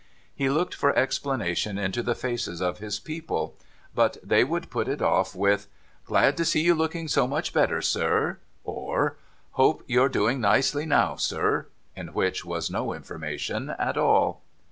He looked for explanation into the faces of his people. But they would put it off 3 L 5T4 NO THOROUGHFARE with, ' Glad to see you lookini; so much better, sir ;' or ' Hope you're doing nicely now, sir;' in which was no information at all.